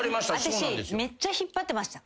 私めっちゃ引っ張ってました。